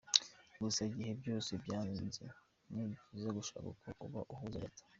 Gusa igihe byose byanze, ni byiza gushaka uko uba uhuze gato.